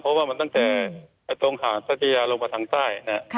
เพราะว่ามันตั้งแต่ตรงขาศาสตรียาลงมาทางใต้